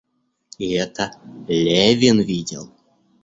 И это Левин видел.